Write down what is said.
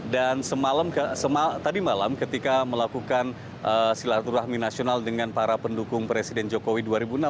dan semalam tadi malam ketika melakukan silaturahmi nasional dengan para pendukung presiden jokowi dua ribu enam belas